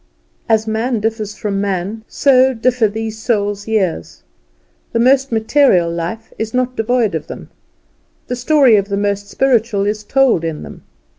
As man differs from man, so differ these souls' years. The most material life is not devoid of them; the story of the most spiritual is told in them.